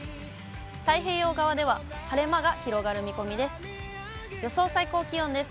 太平洋側では晴れ間が広がる見込みです。